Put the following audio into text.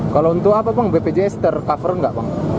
kalau untuk bpjs tercover nggak bang